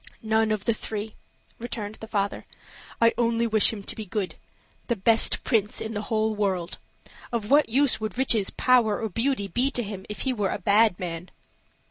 "None of the three," returned the father. "I only wish him to be good the best prince in the whole world. Of what use would riches, power, or beauty be to him if he were a bad man?"